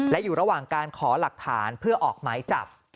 และอยู่ระหว่างการขอหลักฐานเพื่อออกหมายจับ